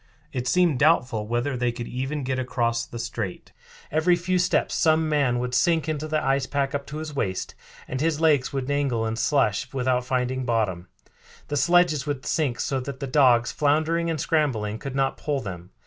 It seemed doubtful whether they could even get across the strait. Every few steps some man would sink into the ice pack up to his waist and his legs would dangle in slush without finding bottom. The sledges would sink so that the dogs, floundering and scrambling, could not pull them.